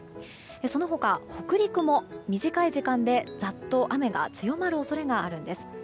その他、北陸も短い時間で、ざっと雨が強まる恐れがあるんです。